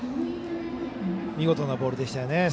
見事なボールでしたよね。